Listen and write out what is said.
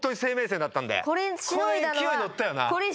これ勢いに乗ったよな！